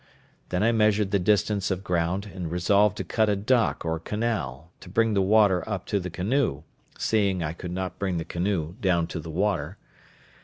Then I measured the distance of ground, and resolved to cut a dock or canal, to bring the water up to the canoe, seeing I could not bring the canoe down to the water.